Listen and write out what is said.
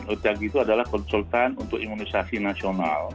otak itu adalah konsultan untuk imunisasi nasional